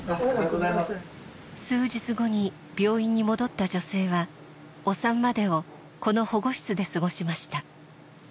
数日後に病院に戻った女性はお産までをこの保護室で過ごしました。